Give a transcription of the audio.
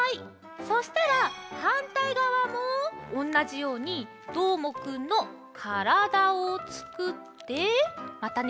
そしたらはんたいがわもおんなじようにどーもくんのからだをつくってまたね